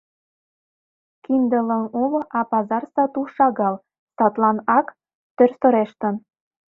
— Кинде лыҥ уло, а пазар сату шагал, садлан ак тӧрсырештын.